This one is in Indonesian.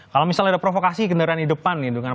kalau misalnya ada provokasi kendaraan di depan nih